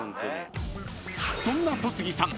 ［そんな戸次さん